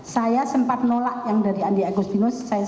saya sempat nolak yang dari andi agustinus